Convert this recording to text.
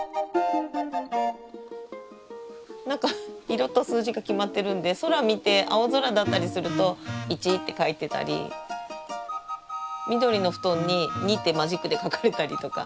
何か色と数字が決まってるんで空見て青空だったりすると「１」って描いてたり緑の布団に「２」ってマジックで描かれたりとか。